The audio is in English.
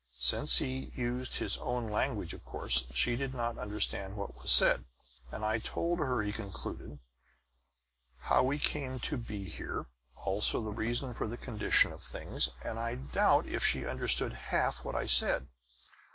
Since he used his own language, of course she did not understand what was said. "And I told her," he concluded, "how we came to be here; also the reason for the condition of things. But I doubt if she understood half what I said.